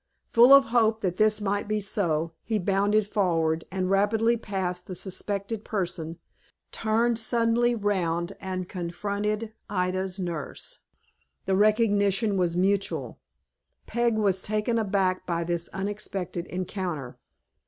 Full of hope that this might be so, he bounded forward, and rapidly passed the suspected person, turned suddenly round, and confronted Ida's nurse. The recognition was mutual. Peg was taken aback by this unexpected encounter.